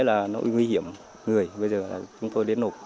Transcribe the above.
nó là nỗi nguy hiểm người bây giờ là chúng tôi đến nộp